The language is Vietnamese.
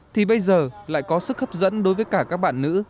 thì bây giờ lại có sức hấp dẫn đối với cả các bạn nữ